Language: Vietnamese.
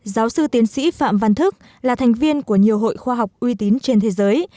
giáo sư tiến sĩ phạm văn thức là thành viên của nhiều hội khoa học uy tín trên thế giới